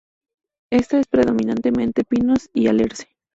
Esta es predominantemente pinos y alerce.